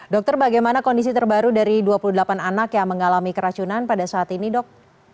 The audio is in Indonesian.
dokter bagaimana kondisi terbaru dari dua puluh delapan anak yang mengalami keracunan pada saat ini dok